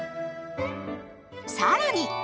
更に！